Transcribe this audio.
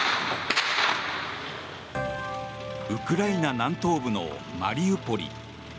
ウクライナ南東部のマリウポリ。